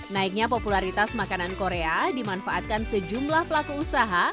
naiknya popularitas makanan korea dimanfaatkan sejumlah pelaku usaha